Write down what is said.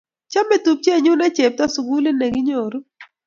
chomei tupchenyu ne chepto sukulit ne kinyoru